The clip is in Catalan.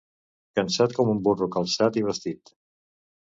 Cansat com un burro calçat i vestit.